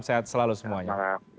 sehat selalu semuanya